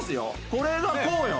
これがこうよ。